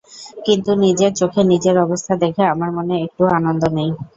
কিন্তু নিজের চোখে নিজের অবস্থা দেখে আমার মনে একটুও আনন্দ নেই।